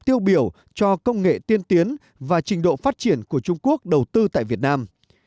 tiêu biểu cho công nghệ tiên tiến và trình độ phát triển của trung quốc đầu tư tại việt nam